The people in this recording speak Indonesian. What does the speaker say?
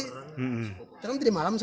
tahu tahu sudah diantarnya